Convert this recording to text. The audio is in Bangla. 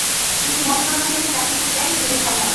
তিনি মোট সৈন্যদেরকে চারটি গ্রুপে ঢেলে সাজান।